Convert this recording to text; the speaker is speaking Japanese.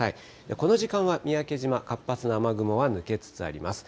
この時間は三宅島、活発な雨雲は抜けつつあります。